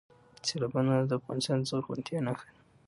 سیلابونه د افغانستان د زرغونتیا نښه ده.